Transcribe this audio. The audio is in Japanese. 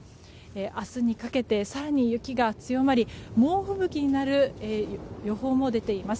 明日にかけて、更に雪が強まり猛吹雪になる予報も出ています。